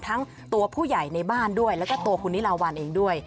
ทั้งตัวผู้ใหญ่ในบ้านด้วยแล้วก็ตัวคุณนิลาวันเองด้วย